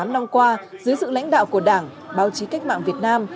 chín mươi tám năm qua dưới sự lãnh đạo của đảng báo chí cách mạng việt nam